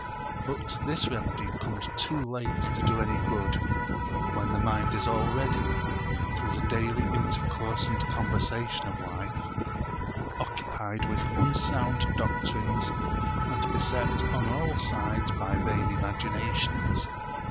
But this remedy comes too late to do any good, when the mind is already, through the daily intercourse and conversation of life, occupied with unsound doctrines and beset on all sides by vain imaginations.